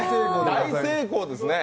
大成功ですね。